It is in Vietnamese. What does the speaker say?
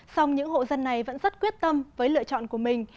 song những hộ dân này vẫn rất quyết tâm với lựa chọn của mình